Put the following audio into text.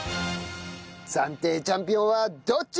暫定チャンピオンはどっち！？